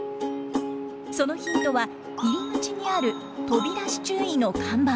そのヒントは入り口にある飛び出し注意の看板。